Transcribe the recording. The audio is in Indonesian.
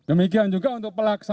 demikian juga masalah peristiwa tersebut